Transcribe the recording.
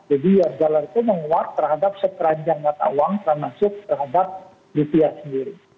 jadi usd itu menguap terhadap seperanjang mata uang termasuk terhadap rupiah sendiri